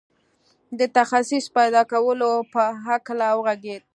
د تخصص پيدا کولو په هکله وغږېد.